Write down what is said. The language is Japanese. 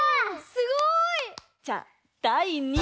すごい！じゃあだい２もん！